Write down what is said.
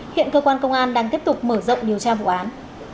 hiện cơ quan công an đang tiếp tục mở rộng điều tra vụ án